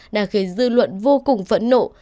đã khiến dư luận vô cùng phẫn nộ